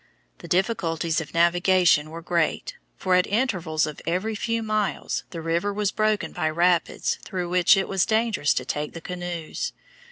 The difficulties of navigation were great, for at intervals of every few miles the river was broken by rapids through which it was dangerous to take the canoes.